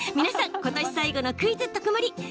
皆さん今年最後の「クイズとくもり」